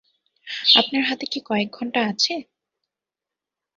আপনার হাতে কি কয়েক ঘণ্টা আছে?